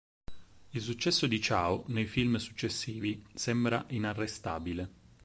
Il successo di Chow, nei film successivi, sembra inarrestabile.